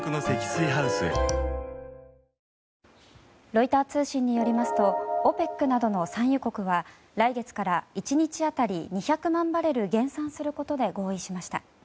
ロイター通信によりますとＯＰＥＣなどの産油国は来月から１日当たり２００万バレル減産することで合意しました。